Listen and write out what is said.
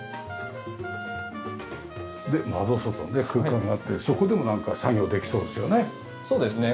で窓外ね空間があってそこでもなんか作業できそうですよね。